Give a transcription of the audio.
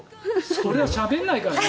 それはしゃべらないからね。